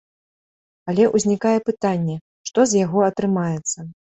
Але ўзнікае пытанне, што з яго атрымаецца.